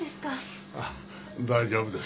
ああ大丈夫です。